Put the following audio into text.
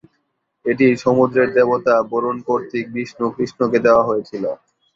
এটি সমুদ্রের দেবতা বরুণ কর্তৃক বিষ্ণু-কৃষ্ণকে দেওয়া হয়েছিল।